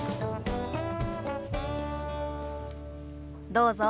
どうぞ。